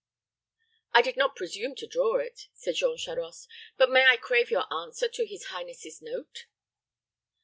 "I did not presume to draw it," said Jean Charost. "But may I crave your answer to his highness's note?"